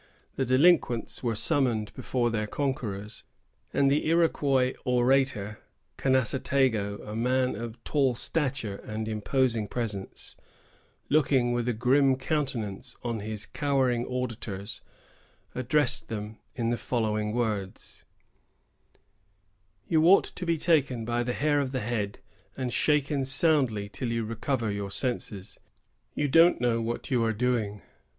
The delinquents were summoned before their conquerors, and the Iroquois orator, Canassatego, a man of tall stature and imposing presence, looking with a grim countenance on his cowering auditors, addressed them in the following words:—— "You ought to be taken by the hair of the head and shaken soundly till you recover your senses. You don't know what you are doing.